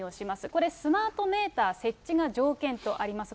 これ、スマートメーター設置が条件とあります。